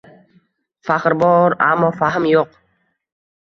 Faxr bor, ammo fahm yo‘q